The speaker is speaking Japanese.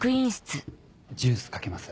ジュース賭けます？